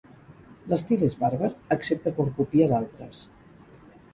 L'estil és bàrbar excepte quan copia d'altres.